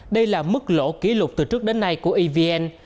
đây là mức lỗ kỷ lục từ trước đến nay của evn